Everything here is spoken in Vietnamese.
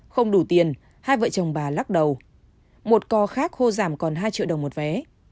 không đủ tiền hai vợ chồng bà lắc đầu một co khác khô giảm còn hai triệu đồng một vé